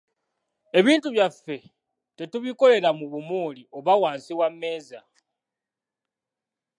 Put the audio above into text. Ebintu byaffe tetubikolera mu bumooli oba wansi wa mmeeza.